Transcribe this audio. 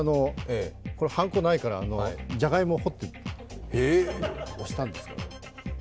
これ、はんこ、ないからじゃがいもを彫って押したんですよ。